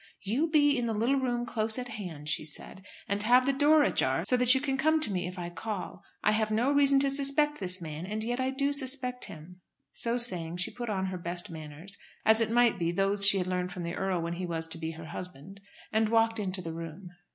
"You be in the little room close at hand," she said, "and have the door ajar, so that you can come to me if I call. I have no reason to suspect this man, and yet I do suspect him." So saying, she put on her best manners, as it might be those she had learned from the earl when he was to be her husband, and walked into the room.